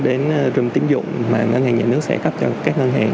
đến dịch vụ của ngân hàng nhà nước